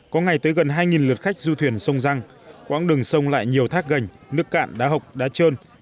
có ngày tới gần hai lượt khách du thuyền sông răng quãng đường sông lại nhiều thác gành nước cạn đá hộc đá trơn